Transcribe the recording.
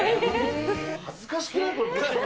恥ずかしくない？